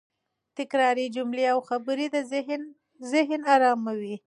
تکراري جملې او خبرې د ذهن اراموي.